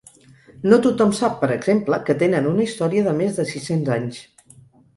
No tothom sap, per exemple, que tenen una història de més de sis-cents anys.